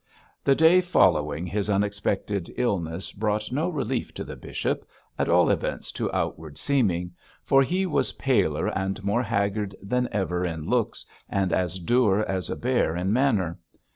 The day following his unexpected illness brought no relief to the bishop, at all events to outward seeming, for he was paler and more haggard than ever in looks, and as dour as a bear in manner.